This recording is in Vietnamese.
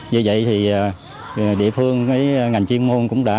vì vậy thì địa phương ngành chuyên môn cũng đã